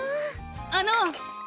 あの！